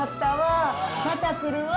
「また来るわ」